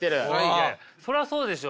それはそうでしょ。